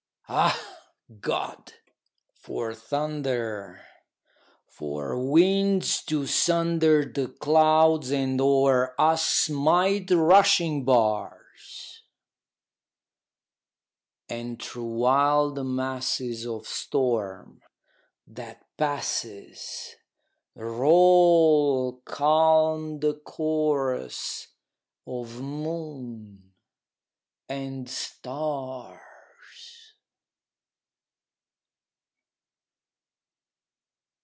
Ah, God! for thunder! for winds to sunder The clouds and o'er us smite rushing bars! And through wild masses of storm, that passes, Roll calm the chorus of moon and stars.